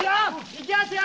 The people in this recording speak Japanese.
いきますよ。